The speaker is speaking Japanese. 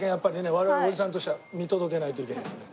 我々おじさんとしては見届けないといけないですね。